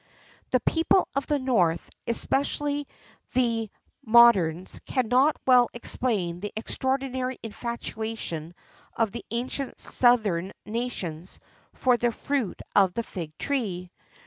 The people of the north, especially the moderns, cannot well explain the extraordinary infatuation of the ancient southern nations for the fruit of the fig tree.